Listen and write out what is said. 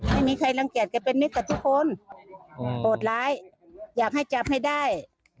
ไม่มีใครรังเกียจแกเป็นมิตรกับทุกคนโหดร้ายอยากให้จับให้ได้